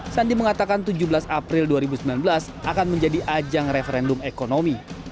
sandi mengatakan tujuh belas april dua ribu sembilan belas akan menjadi ajang referendum ekonomi